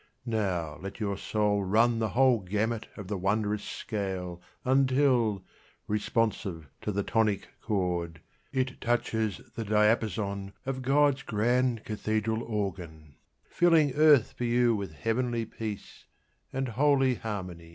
Now let your soul run the whole gamut of the wondrous scale Until, responsive to the tonic chord, It touches the diapason of God's grand cathedral organ, Filling earth for you with heavenly peace And holy harmonies.